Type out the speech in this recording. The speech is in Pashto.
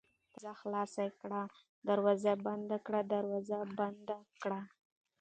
دروازه خلاصه کړه ، دروازه بنده کړه ، دروازه بنده کړه